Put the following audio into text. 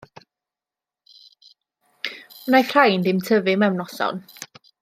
Wnaiff rhain ddim tyfu mewn noson.